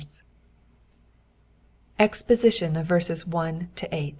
11 EXPOSITION OF VERSES 1 to 8.